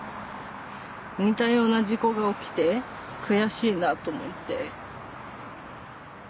似たような事故が起きて悔しいなと思って。